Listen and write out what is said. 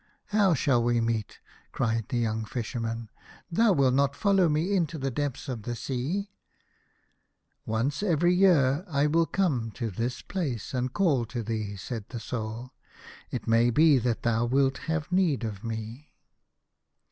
" How shall we meet ?" cried the young Fisherman. " Thou wilt not follow me into the depths of the sea ?"" Once every year I will come to this place, and call to thee," said the Soul. " It may be that thou wilt have need of me."